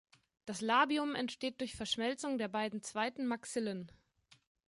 Das Labium entsteht durch Verschmelzung der beiden zweiten Maxillen.